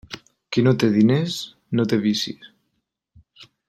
Qui no té diners, no té vicis.